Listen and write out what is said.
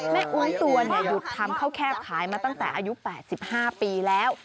อุ้งตัวหยุดทำข้าวแคบขายมาตั้งแต่อายุ๘๕ปีแล้ว